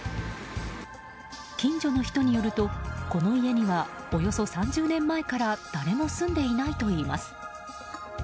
近所の人によると、この家にはおよそ３０年前から誰も住んでいないといいます。